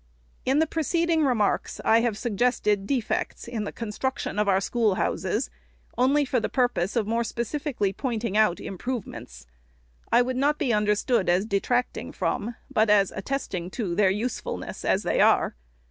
In the preceding remarks, I have suggested defects in the construction of our schoolhouses only for the purpose of more specifically pointing out improvements. I would not be understood as detracting from, but as attesting to, their usefulness, as they are.